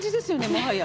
もはや。